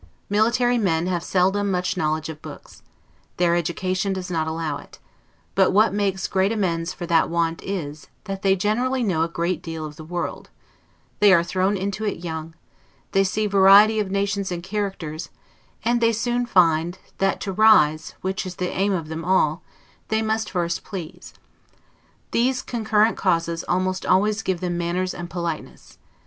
Military men have seldom much knowledge of books; their education does not allow it; but what makes great amends for that want is, that they generally know a great deal of the world; they are thrown into it young; they see variety of nations and characters; and they soon find, that to rise, which is the aim of them all, they must first please: these concurrent causes almost always give them manners and politeness.